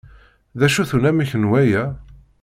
D acu-t unamek n waya?